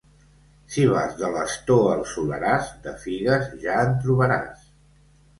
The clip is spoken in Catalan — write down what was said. Si vas de l'Astor al Soleràs, de figues ja en trobaràs!